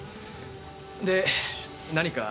で何か？